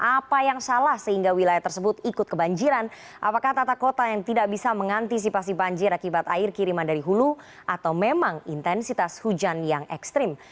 apa yang salah sehingga wilayah tersebut ikut kebanjiran apakah tata kota yang tidak bisa mengantisipasi banjir akibat air kiriman dari hulu atau memang intensitas hujan yang ekstrim